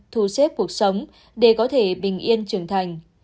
thu xếp cuộc sống để có thể bình yên trưởng thành